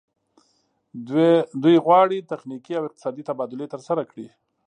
دوی غواړي تخنیکي او اقتصادي تبادلې ترسره کړي